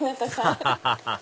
アハハハ